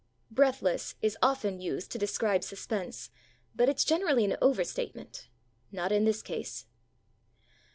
"Breathless" is often used to de scribe suspense, but it's generally an over statement. Not in this case.